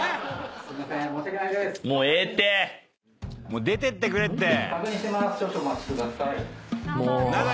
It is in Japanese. もう出てってくれって。